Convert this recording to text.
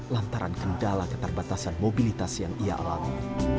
lantaran kendala keterbatasan mobilitas yang ia alami